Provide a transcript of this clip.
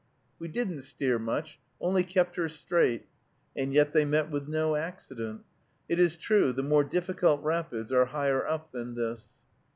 "We didn't steer much, only kept her straight." And yet they met with no accident. It is true, the more difficult rapids are higher up than this.